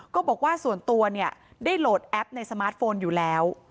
ก็บอกว่าส่วนตัวเนี่ยได้โหลดแอปในสมาร์ทโฟนอยู่แล้ว